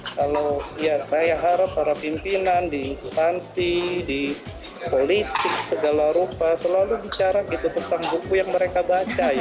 kalau ya saya harap para pimpinan di instansi di politik segala rupa selalu bicara gitu tentang buku yang mereka baca